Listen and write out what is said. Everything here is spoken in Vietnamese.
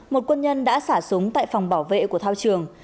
một quân nhân đã xả súng tại phòng bảo vệ của thao trường